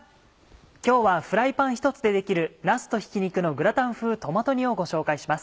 今日はフライパンひとつでできる「なすとひき肉のグラタン風トマト煮」をご紹介します。